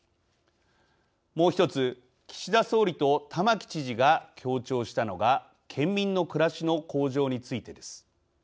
もう一つ岸田総理と玉城知事が強調したのが県民の暮らしの向上についてです。